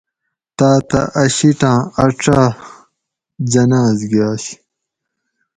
تاۤتہ اۤ شیٹاۤں اچاۤ جناز گاش